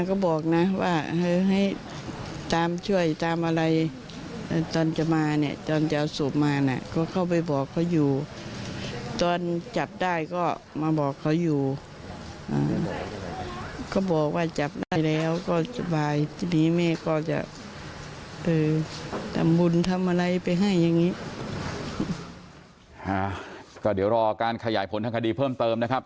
ก็เดี๋ยวรอการขยายผลทางคดีเพิ่มเติมนะครับ